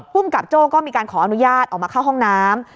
ภูมิกับโจ้ก็มีการขออนุญาตออกมาเข้าห้องน้ำ